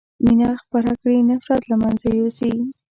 مينه خپره کړي نفرت له منځه يوسئ